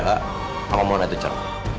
kalau mau natecer